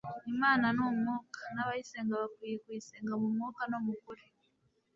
Imana ni Umwuka: n’abayisenga bakwiriye kuyisengera mu Mwuka no mu kuri.